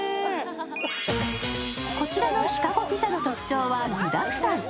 こちらのシカゴピザの特徴は具だくさん。